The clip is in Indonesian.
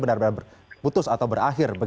benar benar putus atau berakhir